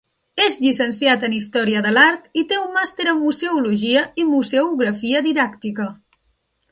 És llicenciat en història de l'art i té un màster en museologia i museografia didàctica.